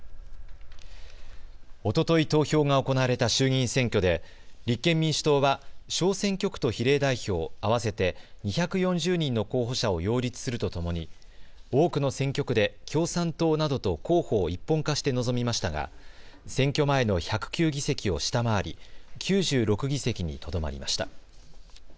おととい投票が行われた衆議院選挙で立憲民主党は小選挙区と比例代表合わせて２４０人の候補者を擁立するとともに多くの選挙区で共産党などと候補を一本化して臨みましたが選挙前の１０９議席を下回り９６議席にとどまりました。